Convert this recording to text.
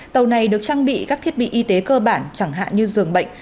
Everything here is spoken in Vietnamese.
tàu này được trang bị các thiết bị y tế cơ bản chẳng hạn như giường bệnh